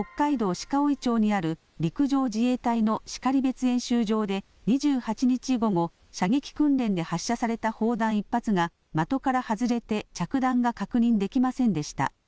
鹿追町にある陸上自衛隊の然別演習場で２８日午後、射撃訓練で発射された砲弾１発が、的から外れて、着弾が確認できませんでした。